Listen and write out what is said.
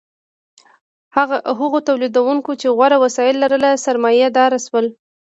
هغو تولیدونکو چې غوره وسایل لرل سرمایه دار شول.